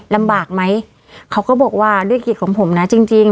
ลำบากไหมเขาก็บอกว่าด้วยเกียรติของผมนะจริงจริง